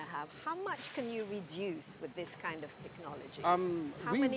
berapa banyak yang bisa anda kurangkan dengan teknologi ini